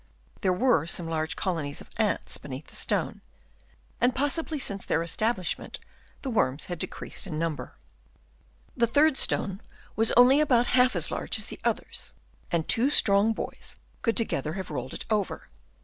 There were some large colonies of ants beneath the stone, and possibly since their establishment the worms had decreased in number. The third stone was only about half as Chap. III. UNDERMINED BY WORMS. 157 large as the others ; and two strong boys could together have rolled it over.